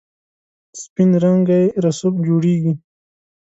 سپین رنګی رسوب جوړیږي.